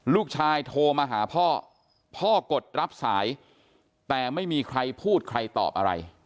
โทรมาหาพ่อพ่อกดรับสายแต่ไม่มีใครพูดใครตอบอะไร